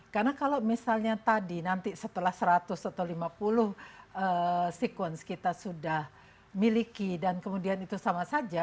karena kalau misalnya tadi nanti setelah seratus atau lima puluh sekuensi kita sudah miliki dan kemudian itu sama saja